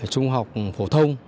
trung học phổ thông